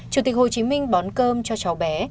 chủ tịch hồ chí minh bón cơm cho cháu bé